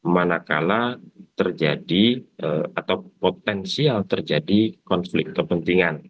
manakala terjadi atau potensial terjadi konflik kepentingan